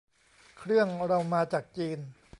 เครื่องเรามาจากจีน